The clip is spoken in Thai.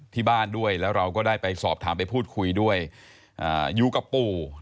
ที่บ้านด้วยแล้วเราก็ได้ไปสอบถามไปพูดคุยด้วยอยู่กับปู่